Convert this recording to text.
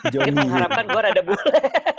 jadi mengharapkan gue rada bule